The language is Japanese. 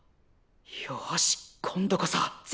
よし今度こそ絶対！